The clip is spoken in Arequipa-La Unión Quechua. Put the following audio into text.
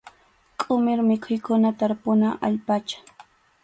Qʼumir mikhuykuna tarpuna allpacha.